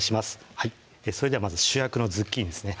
それではまず主役のズッキーニですね